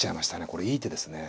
これいい手ですね。